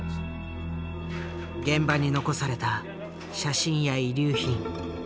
現場に残された写真や遺留品。